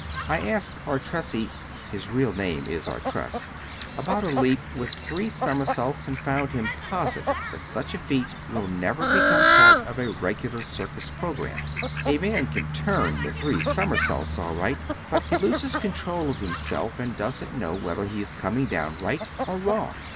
I asked Artressi (his real name is Artress) about a leap with three somersaults, and found him positive that such a feat will never become part of a regular circus program. A man can turn the three somersaults all right, but he loses control of himself, and doesn't know whether he is coming down right or wrong.